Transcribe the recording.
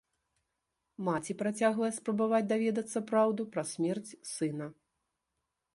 Маці працягвае спрабаваць даведацца праўду пра смерць сына.